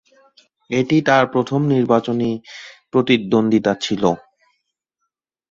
এটি তাঁর প্রথম নির্বাচনী প্রতিদ্বন্দ্বিতা ছিল।